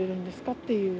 っていう。